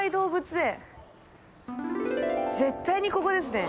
絶対にここですね。